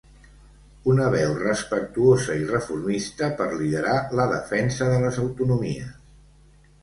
Una veu respectuosa i reformista per liderar la defensa de les autonomies.